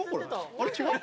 あれ、違う？